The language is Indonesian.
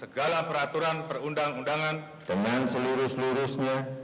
dan peraturan perundangan yang berkaitan dengan